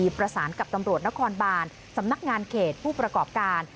ประสานกับตำรวจนครบานสำนักงานเขตผู้ประกอบการ